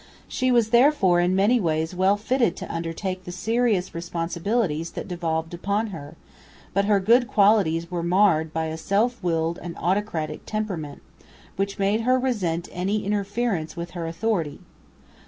She was therefore in many ways well fitted to undertake the serious responsibilities that devolved upon her, but her good qualities were marred by a self willed and autocratic temperament, which made her resent any interference with her authority.